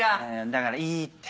だからいいって。